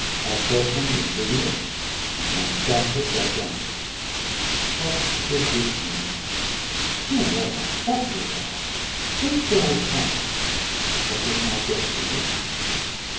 My person was hideous, and my stature gigantic? What did this mean? Who was I? What was I? Whence did I come? What was my destination?